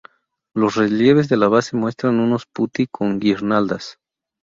Los relieves de la base muestran unos "putti" con guirnaldas.